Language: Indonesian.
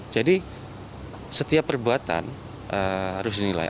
jadi setiap perbuatan harus dinilai